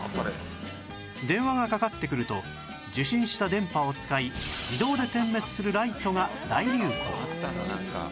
電話がかかってくると受信した電波を使い自動で点滅するライトが大流行